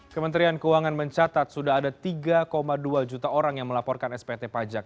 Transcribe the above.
kementerian keuangan mencatat sudah ada tiga dua juta orang yang melaporkan spt pajak